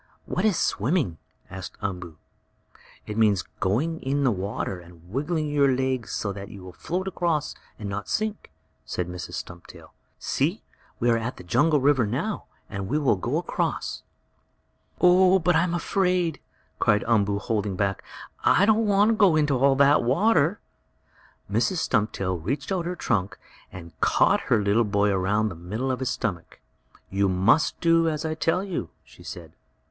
"What is swimming?" asked Umboo. "It means going in the water, and wiggling your legs so that you will float across and not sink," said Mrs. Stumptail. "See, we are at the jungle river now, and we will go across." "Oh, but I'm afraid!" cried Umboo, holding back. "I don't want to go in all that water." Mrs. Stumptail reached out her trunk and caught her little boy around the middle of his stomach. "You must do as I tell you!" she said.